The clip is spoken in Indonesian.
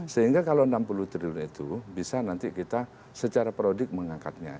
sehingga kalau enam puluh triliun itu bisa nanti kita secara produk mengangkatnya